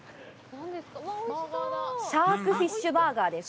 シャークフィッシュバーガーです。